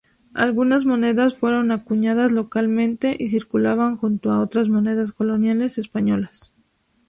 Algunas monedas fueron acuñadas localmente y circulaban junto a otras monedas coloniales españolas.